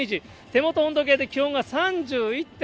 手元の温度計で、気温が３１．５度。